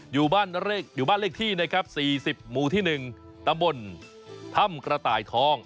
อยู่บ้านเลขที่นะครับ๔๐หมู่ที่๑ตำบลถ้ำกระต่ายทอง